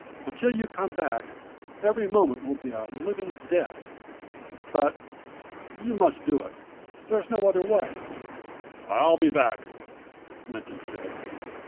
Until you come back every moment will be a living death. But you must do it. There's no other way." "I'll be back," Lynton said.